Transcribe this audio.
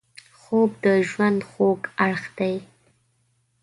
خوب د ژوند خوږ اړخ دی